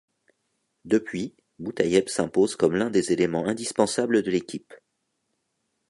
Depuis, Boutayeb s'impose comme l'un des éléments indispensables de l'équipe.